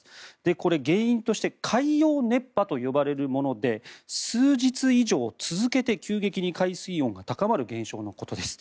これ、原因として海洋熱波と呼ばれるもので数日以上続けて急激に海水温が高まる現象のことです。